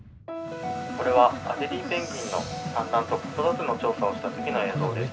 これはアデリーペンギンの産卵と子育ての調査をした時の映像です。